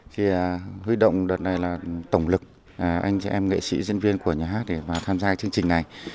thì huy động đợt này là tổng lực anh chị em nghệ sĩ diễn viên của nhà hát để mà tham gia chương trình này